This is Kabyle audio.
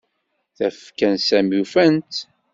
Tafekka n Sami ufan-tt.